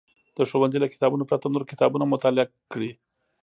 د ښوونځي له کتابونو پرته نور کتابونه مطالعه کړي.